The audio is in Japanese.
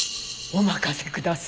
お任せください。